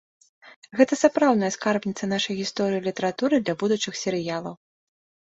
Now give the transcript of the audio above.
Гэта сапраўдная скарбніца нашай гісторыі і літаратуры для будучых серыялаў.